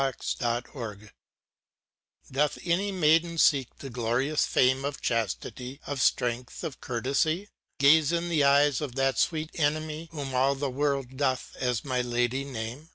Z '^v ( ly; Doth any maiden seek the glorious fame Of chastity^ of strength^ of courtesy ? Gaze in the eyes of that sweet enemy ^hom all the world doth as my lady name